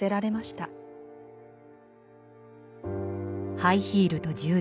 ハイヒールと銃弾。